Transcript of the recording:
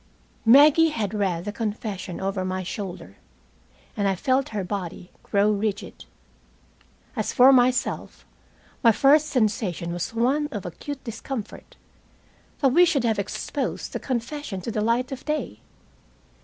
Maggie had read the confession over my shoulder, and I felt her body grow rigid. As for myself, my first sensation was one of acute discomfort that we should have exposed the confession to the light of day.